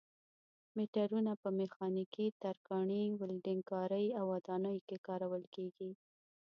مترونه په میخانیکي، ترکاڼۍ، ولډنګ کارۍ او ودانیو کې کارول کېږي.